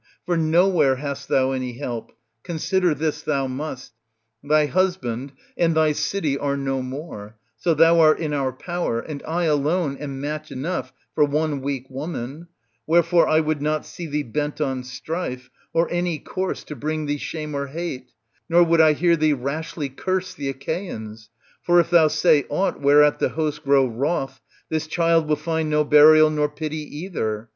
For nowhere hast thou any help; consider this thou must; thy husband and thy dty are no more, so thou art in our power, and I alone am match enough for one weak woman ; wherefore I would not see thee bent on strife, or any course to bring thee shame or hate, nor would I hear thee rashly curse the Achseans. For if thou say aught whereat the host grow wroth, this child will find no burial nor pity either.